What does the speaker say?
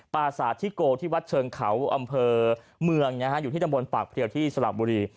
ปราสาทธิโกที่วัดเชิงเขาอำเภอเมืองอยู่ที่ตำบลปากเพลียวที่สลับบุรี